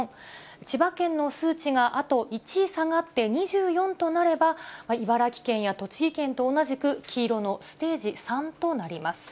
千葉県の数値があと１下がって２４となれば、茨城県や栃木県と同じく黄色のステージ３となります。